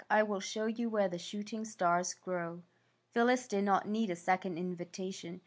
" I will show you where the shooting stars grow.'' Phyllis did not need a second invitation.